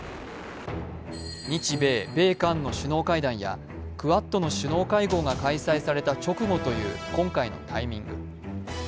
日米・米韓の首脳会談やクアッドの首脳会談が開催された直後という今回のタイミング。